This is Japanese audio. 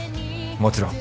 もちろん。